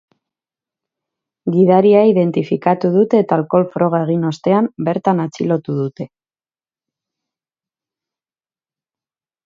Gidaria identifikatu dute eta alkohol froga egin ostean, bertan atxilotu dute.